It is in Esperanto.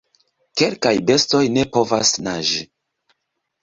Kelkaj bestoj ne povas naĝi.